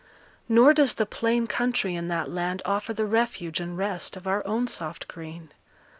Nor does the plain country in that land offer the refuge and rest of our own soft green.